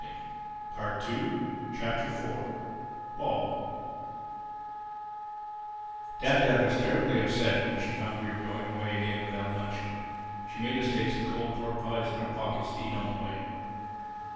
THE FOURTH CHAPTER BOB DAB DAB was terribly upset when she found we were going away again without luncheon; and she made us take some cold pork pies in our pockets to eat on the way.